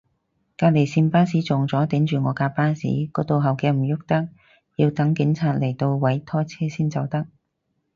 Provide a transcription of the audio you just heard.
隔離線巴士撞咗，頂住我架巴士個倒後鏡唔郁得，要等警察嚟度位拖車先走得